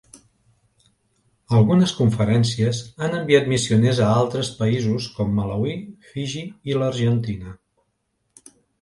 Algunes conferències han enviat missioners a altres països com Malawi, Fiji i l'Argentina.